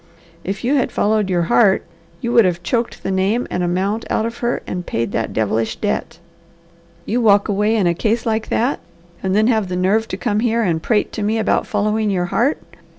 If you had followed your heart, you would have choked the name and amount out of her and paid that devilish debt. You walk away in a case like that, and then have the nerve to come here and prate to me about following your heart.